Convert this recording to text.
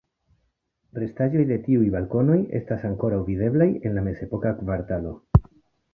Restaĵoj de tiuj balkonoj estas ankoraŭ videblaj en la mezepoka kvartalo.